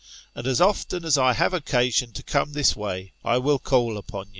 And as often as I have occasion to come this way, I will call upon you.